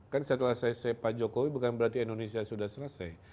kan setelah selesai pak jokowi bukan berarti indonesia sudah selesai